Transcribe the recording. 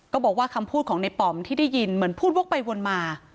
บอกว่าคำพูดของในป๋อมที่ได้ยินเหมือนพูดวกไปวนมา